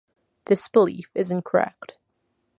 This belief is incorrect.